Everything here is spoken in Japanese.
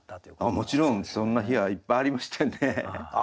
もちろんそんな日はいっぱいありましたよね。